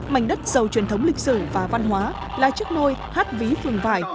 mảnh đất giàu truyền thống lịch sử và văn hóa là chiếc nôi hát ví phường vải